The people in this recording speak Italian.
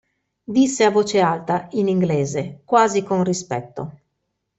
Disse a voce alta, in inglese, quasi con rispetto.